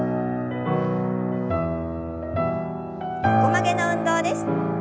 横曲げの運動です。